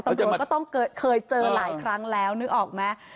ตำรวจก็ต้องเคยเจอหลายครั้งแล้วนึกออกไหม